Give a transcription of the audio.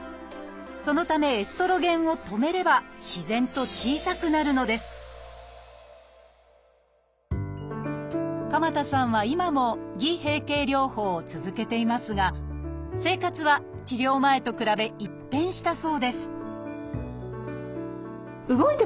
そのためエストロゲンを止めれば自然と小さくなるのです鎌田さんは今も偽閉経療法を続けていますが生活は治療前と比べ一変したそうです